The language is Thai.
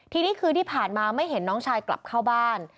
ทีนี้คืนที่ผ่านมาไม่เห็นน้องชายกลับเข้าบ้าน